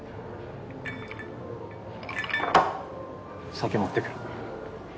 酒持ってくる。